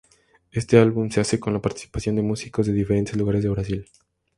Este álbum se hace con la participación de músicos de diferentes lugares de Brasil.